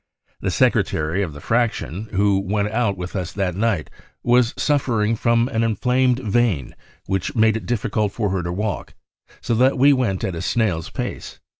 The secretary of the Fraction, who went out with us that night, was suffering from an inflamed vein which made it difficult for her to walk, so that we went at a snail's pace.